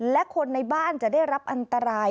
และคนในบ้านจะได้รับอันตราย